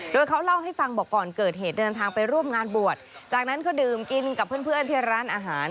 โดยเขาเล่าให้ฟังบอกก่อนเกิดเหตุเดินทางไปร่วมงานบวชจากนั้นก็ดื่มกินกับเพื่อนที่ร้านอาหาร